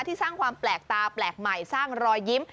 สร้างความแปลกตาแปลกใหม่สร้างรอยยิ้ม